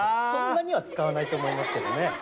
そんなには使わないと思いますけどね。